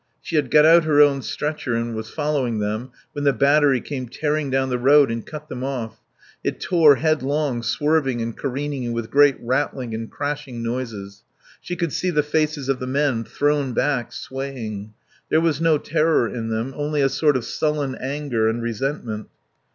She had got out her own stretcher and was following them when the battery came tearing down the road and cut them off. It tore headlong, swerving and careening with great rattling and crashing noises. She could see the faces of the men, thrown back, swaying; there was no terror in them, only a sort of sullen anger and resentment.